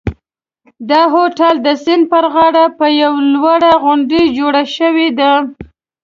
دا هوټل د سیند پر غاړه په یوه لوړه غونډۍ جوړ شوی دی.